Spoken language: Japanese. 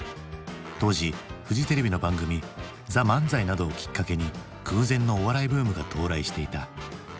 当時フジテレビの番組「ＴＨＥＭＡＮＺＡＩ」などをきっかけに空前のお笑いブームが到来していた。